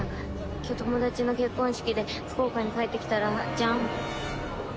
今日友達の結婚式で福岡に帰ってきたらジャン！